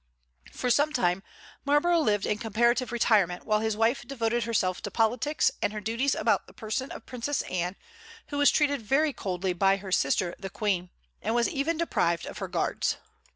For some time Marlborough lived in comparative retirement, while his wife devoted herself to politics and her duties about the person of the Princess Anne, who was treated very coldly by her sister the Queen, and was even deprived of her guards.